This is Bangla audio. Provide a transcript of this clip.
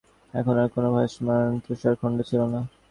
কিন্তু মাকে শিকারে সাহায্য করতে এখন আর কোন ভাসমান তুষারখণ্ড ছিল না।